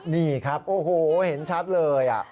นี่ครับโอ้โหเห็นชัดเลย